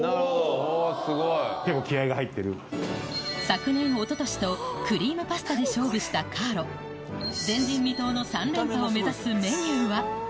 昨年一昨年とクリームパスタで勝負したカーロ前人未到の３連覇を目指すメニューは？